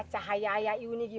tess assalamu'alaikum argi